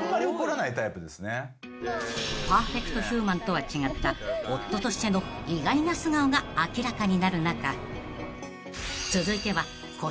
［パーフェクトヒューマンとは違った夫としての意外な素顔が明らかになる中続いては子育てについて］